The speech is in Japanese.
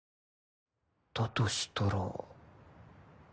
だとしたら